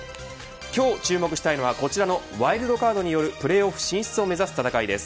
今日注目したいのはこちらのワイルドカードによるプレーオフ進出を目指す戦いです。